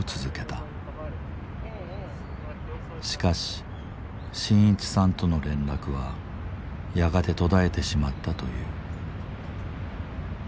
しかし伸一さんとの連絡はやがて途絶えてしまったという。